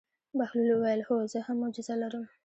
بهلول وویل: هو زه هم معجزه لرم.